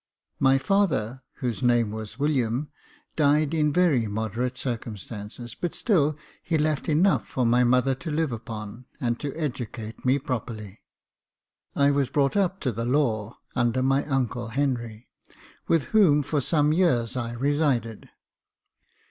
My father, whose name was William, died in very moderate circumstances ; but still he left enough for my mother to live upon, and to educate me properly. I was brought up to the law under my uncle Henry, with whom, for some years, I resided.